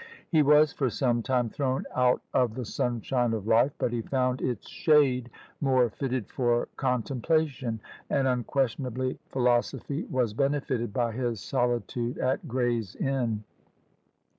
He was for some time thrown out of the sunshine of life, but he found its shade more fitted for contemplation; and, unquestionably, philosophy was benefited by his solitude at Gray's Inn.